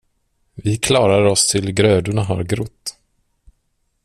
Vi klarar oss tills grödorna har grott.